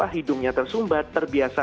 hidungnya tersumbat terbiasa